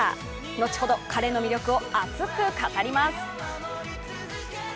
後ほど、彼の魅力を熱く語ります。